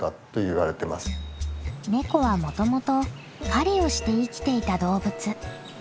ネコはもともと狩りをして生きていた動物。